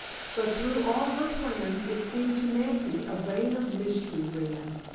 But through all her plans, it seemed to Nancy, a vein of mystery ran.